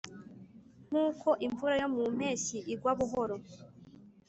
nkuko imvura yo mu mpeshyi igwa buhoro,